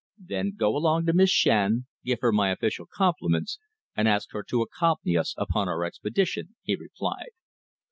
"Then go along to Miss Shand, give her my official compliments and ask her to accompany us upon our expedition," he replied.